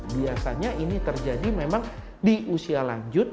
biasanya ini terjadi memang di usia lanjut